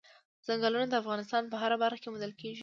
ځنګلونه د افغانستان په هره برخه کې موندل کېږي.